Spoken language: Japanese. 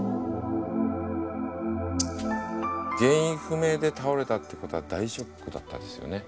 原因不明で倒れたってことは大ショックだったですよね。